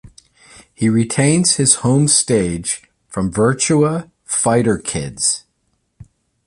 He retains his home stage from "Virtua Fighter Kids".